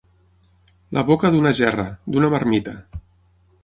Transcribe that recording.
La boca d'una gerra, d'una marmita.